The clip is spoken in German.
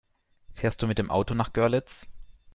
Fährst du mit dem Auto nach Görlitz?